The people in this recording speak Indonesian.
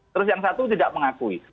terus yang satu tidak mengakui